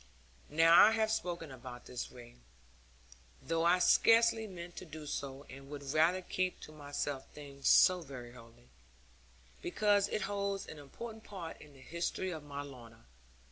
Now I have spoken about this ring (though I scarcely meant to do so, and would rather keep to myself things so very holy) because it holds an important part in the history of my Lorna.